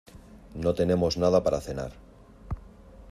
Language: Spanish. No tenemos nada para cenar.